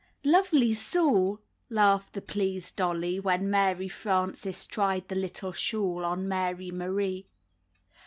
OVELYs'awl," laughed the pleased dolly, when Mary Frances tried the little shawl on Mary Marie.